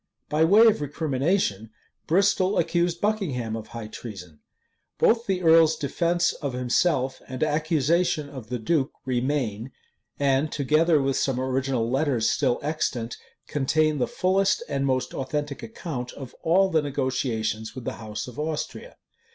By way of recrimination, Bristol accused Buckingham of high treason. Both the earl's defence of himself and accusation of the duke remain;[] and, together with some original letters still extant, contain the fullest and most authentic account of all the negotiations with the house of Austria.